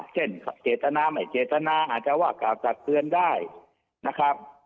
เช่นเจตนาไม่เจตนาอาจจะว่ากล่าวตักเตือนได้นะครับ